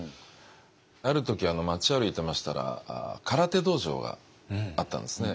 ある時街を歩いてましたら空手道場があったんですね。